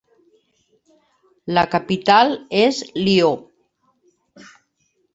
La capital és Lió.